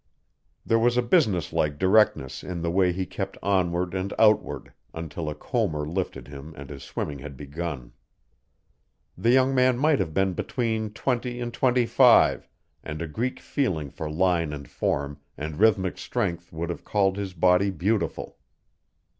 There was a businesslike directness in the way he kept onward and outward until a comber lifted him and his swimming had begun. The young man might have been between twenty and twenty five and a Greek feeling for line and form and rhythmic strength would have called his body beautiful.